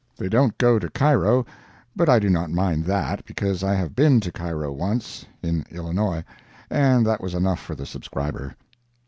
They don't go to Cairo, but I do not mind that, because I have been to Cairo once (in Illinois), and that was enough for the subscriber.